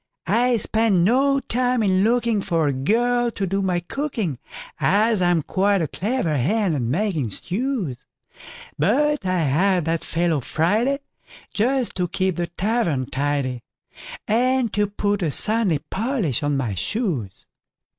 I spent no time in lookingFor a girl to do my cooking, As I'm quite a clever hand at making stews; But I had that fellow Friday, Just to keep the tavern tidy, And to put a Sunday polish on my shoes.